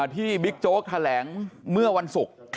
ที่บิ๊กโจ้กแถลงเมื่อวันศึก